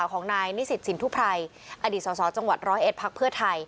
ก็มันยังไม่หมดวันหนึ่ง